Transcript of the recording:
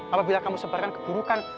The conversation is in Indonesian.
apabila kamu sebarkan keburukan